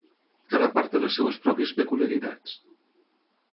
Cada part té les seves pròpies peculiaritats.